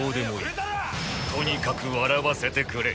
とにかく笑わせてくれ！